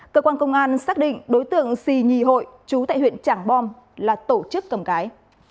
cơ quan công an xác định đối tượng xì nhì hội trú tại huyện trảng bom là tổ chức cầm cái